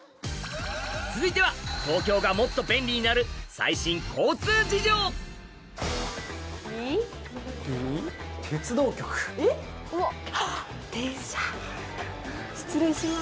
続いては東京がもっと便利になる最新交通事情失礼します。